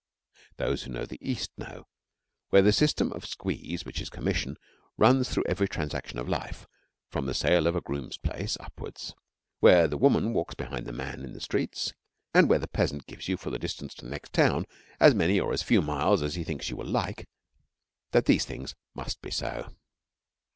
Those who know the East know, where the system of 'squeeze,' which is commission, runs through every transaction of life, from the sale of a groom's place upward, where the woman walks behind the man in the streets, and where the peasant gives you for the distance to the next town as many or as few miles as he thinks you will like, that these things must be so.